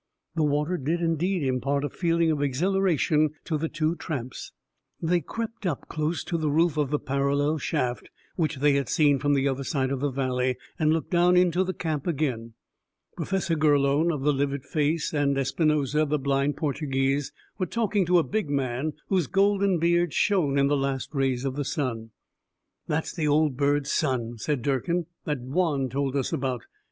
The water did, indeed, impart a feeling of exhilaration to the two tramps. They crept up close to the roof of the parallel shaft which they had seen from the other side of the valley, and looked down into the camp again. Professor Gurlone of the livid face and Espinosa the blind Portuguese, were talking to a big man whose golden beard shone in the last rays of the sun. "That's the old bird's son," said Durkin, "that Juan told us about.